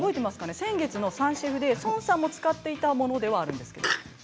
先月の３シェフで孫さんも使っていたものなんです。